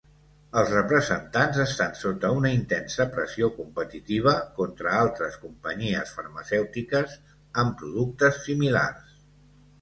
Els representants estan sota una intensa pressió competitiva contra altres companyies farmacèutiques amb productes similars.